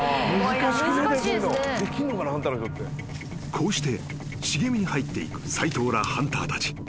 ［こうして茂みに入っていく斎藤らハンターたち］